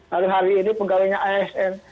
hari hari ini pegawainya asn